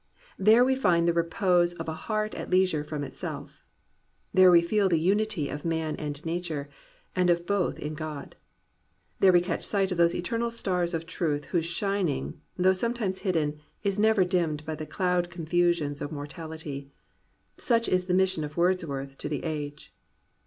There we find the repose of "a heart at leisure from itself." There we feel the unity of man and nature, and of both in God. There we catch sight of those eternal stars of truth whose shining, though sometimes hidden, is never dimmed by the cloud confusions of mor tality. Such is the mission of Wordsworth to the age.